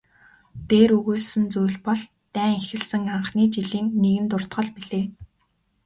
Дээр өгүүлсэн зүйл бол дайн эхэлсэн анхны жилийн нэгэн дуртгал билээ.